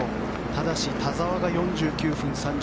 ただし田澤が４９分３８秒。